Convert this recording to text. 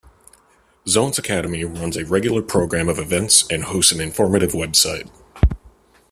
Zoence Academy runs a regular programme of events and hosts an informative website.